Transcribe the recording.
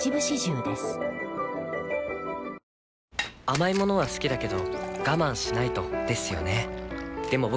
甘い物は好きだけど我慢しないとですよね